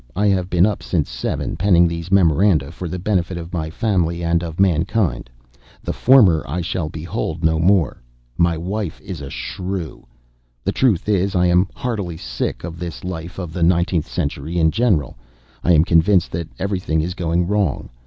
I have been up since seven, penning these memoranda for the benefit of my family and of mankind. The former I shall behold no more. My wife is a shrew. The truth is, I am heartily sick of this life and of the nineteenth century in general. I am convinced that every thing is going wrong.